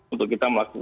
untuk kita melakukan